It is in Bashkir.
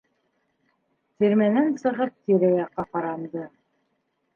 Тирмәнән сығып, тирә яҡҡа ҡаранды.